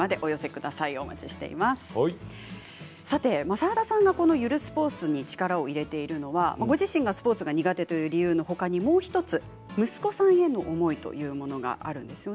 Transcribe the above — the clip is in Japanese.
澤田さんが、このゆるスポーツに力を入れているのはご自身がスポーツが苦手という理由のほかにもう１つ息子さんへの思いというものがあるんです。